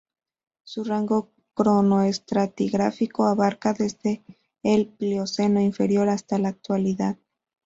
Su rango cronoestratigráfico abarca desde el Plioceno inferior hasta la Actualidad.